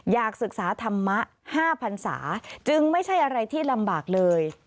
อยากศึกษาธรรมะ๕พันศาจึงไม่ใช่อะไรที่ลำบากเลย